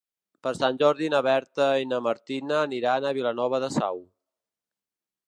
Per Sant Jordi na Berta i na Martina aniran a Vilanova de Sau.